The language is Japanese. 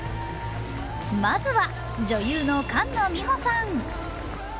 まずは、女優の菅野美穂さん。